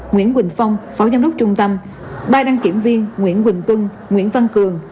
nguyễn quỳnh phong phó giám đốc trung tâm ba đăng kiểm viên nguyễn quỳnh tuân nguyễn văn cường